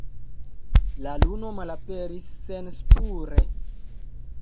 La luno malaperis senspure.